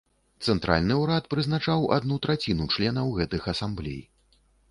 Цэнтральны ўрад прызначаў адну траціну членаў гэтых асамблей.